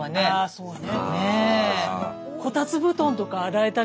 そうね。